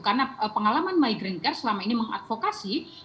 karena pengalaman migrant care selama ini mengadvokasi